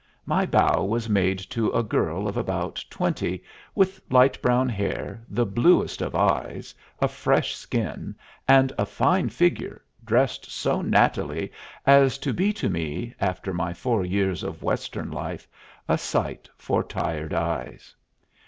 My bow was made to a girl of about twenty, with light brown hair, the bluest of eyes, a fresh skin, and a fine figure, dressed so nattily as to be to me, after my four years of Western life, a sight for tired eyes.